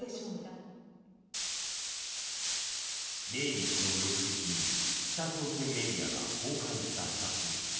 命日の翌日に北朝鮮メディアが公開した写真。